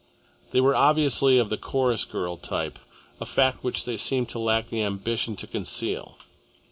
They were obviously of the chorus girl type, a fact which they seemed to lack the ambition to conceal.